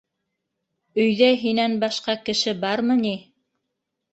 Өйҙә һинән башҡа кеше бармы ни?!